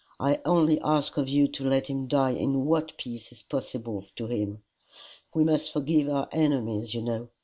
I only ask of you to let him die in what peace is possible to him. We must forgive our enemies, you know.